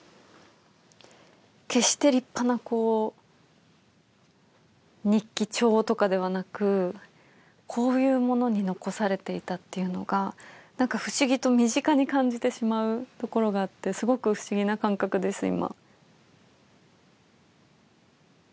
決して立派なこう日記帳とかではなくこういう物に残されていたっていうのが不思議と身近に感じてしまうところがあってすごく不思議な感覚です今。